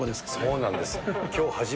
そうなんです。